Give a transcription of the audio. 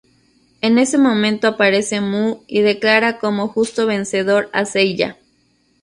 En ese momento aparece Mu y declara como justo vencedor a Seiya.